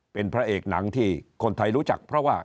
เป็นพระเอกหนังที่คนไทยรู้จักเพราะว่า